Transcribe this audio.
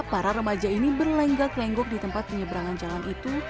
para remaja ini berlenggak lenggok di tempat penyeberangan jalan itu